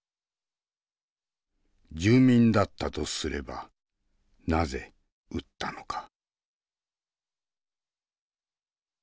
住民だったとすればなぜ撃ったのか。